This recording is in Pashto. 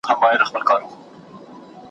پر غزل د جهاني به له ربابه نغمې اوري `